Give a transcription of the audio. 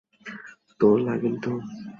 তোর লাগেনি তো?